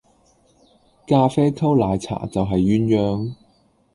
咖啡溝奶茶就係鴛鴦